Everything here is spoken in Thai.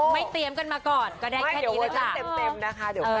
ไม่เตรียมกันมาก่อนก็ได้แค่นี้แหละจ้ะ